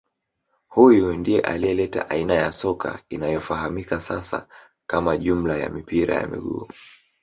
Huyu ndiye aliyeleta aina ya soka inayofahamika sasa kama jumla ya mipira ya miguu